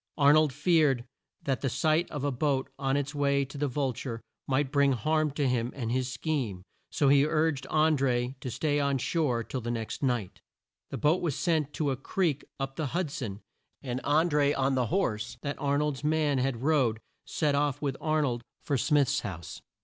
Ar nold feared that the sight of a boat on its way to the Vul ture might bring harm to him and his scheme, so he urged An dré to stay on shore till the next night. The boat was sent to a creek up the Hud son, and An dré on the horse that Ar nold's man had rode, set off with Ar nold for Smith's house.